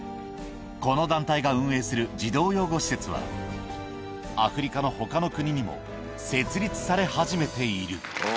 この団体が運営する児童養護施設は、アフリカのほかの国にも設立され始めている。